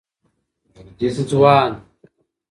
ځوان